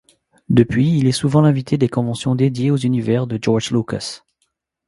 Depuis, il est souvent l'invité des conventions dédiées aux univers de George Lucas.